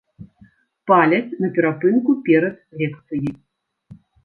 Паляць на перапынку перад лекцыяй.